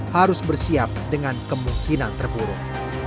harus bersiap dengan kemungkinan terburuk